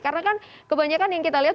karena kan kebanyakan yang kita lihat